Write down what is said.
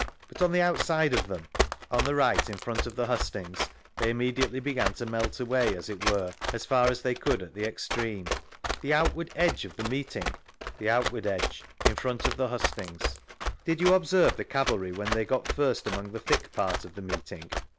But on the outside of them? — On the right, in front of the hustings, they immediately began to melt away, as it were, as far as they could at the extreme. The outward edge of the meeting ?— The outward edge, in front of the hustings. Did you observe the cavalry when they got first among th^ thick part of the meeting